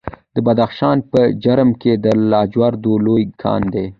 د بدخشان په جرم کې د لاجوردو لوی کان دی.